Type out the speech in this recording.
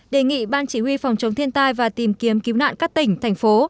đề nghị ban chỉ huy phòng chống thiên tai và tìm kiếm cứu nạn các tỉnh thành phố